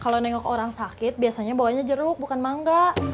kalau nengok orang sakit biasanya bawanya jeruk bukan mangga